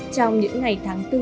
trong những ngày tháng tư